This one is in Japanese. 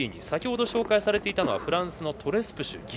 先ほど紹介されていたのはフランスのトレスプシュ。